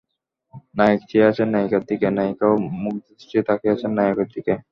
নায়ক চেয়ে আছেন নায়িকার দিকে, নায়িকাও মুগ্ধ দৃষ্টিতে তাকিয়ে আছেন নায়কের দিকে।